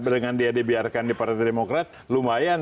dengan dia dibiarkan di partai demokrat lumayan